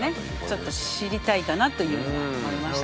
ちょっと知りたいかなというのは思いました。